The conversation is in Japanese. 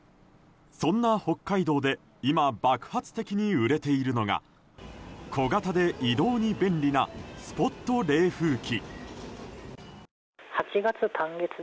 そんな北海道で今、爆発的に売れているのが小型で移動に便利なスポット冷風機。